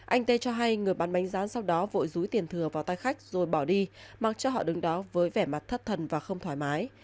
anh tê cho hay người bán bánh giá sau đó vội rúi tiền thừa vào tay khách rồi bỏ đi mặc cho họ đứng đó với vẻ mặt thất thần và không thoải mái